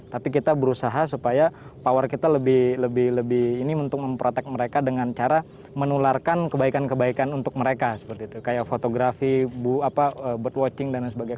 tapi kita berusaha supaya power kita lebih lebih ini untuk memprotek mereka dengan cara menularkan kebaikan kebaikan untuk mereka seperti itu kayak fotografi bu apa bird watching dan lain sebagainya